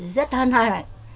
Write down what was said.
rất hân hạnh